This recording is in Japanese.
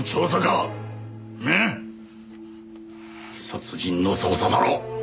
殺人の捜査だろう！